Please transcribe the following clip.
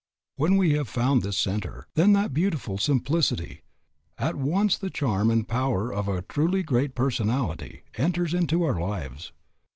When we have found this centre, then that beautiful simplicity, at once the charm and the power of a truly great personality, enters into our lives.